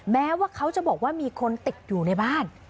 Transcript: แม้ว่าเขาจะบอกว่ามีคนติดอยู่ในบ้าน